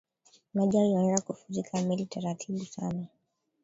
maji yalianza kufurika meli tratibu sana